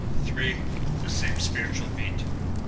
The same spiritual meat.